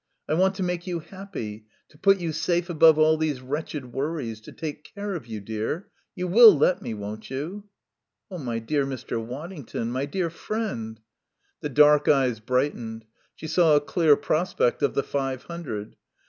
I want to make you happy, to put you safe above all these wretched worries, to take care of you, dear. You will let me, won't you?" "My dear Mr. Waddington my dear friend " The dark eyes brightened. She saw a clear prospect of the five hundred.